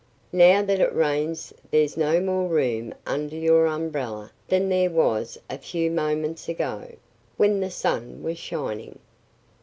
"Now that it rains there's no more room under your umbrella than there was a few moments ago, when the sun was shining."